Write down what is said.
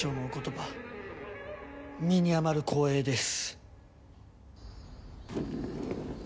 葉身に余る光栄です。